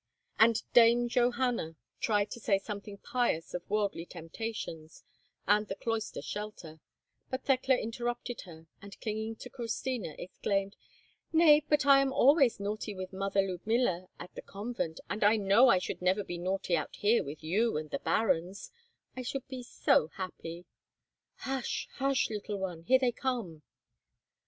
And Dame Johanna tried to say something pious of worldly temptations, and the cloister shelter; but Thekla interrupted her, and, clinging to Christina, exclaimed, "Nay, but I am always naughty with Mother Ludmilla in the convent, and I know I should never be naughty out here with you and the barons; I should be so happy." "Hush! hush! little one; here they come!"